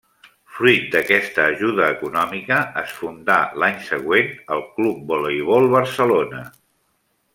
Fruit d'aquesta ajuda econòmica, es fundà l'any següent el Club Voleibol Barcelona.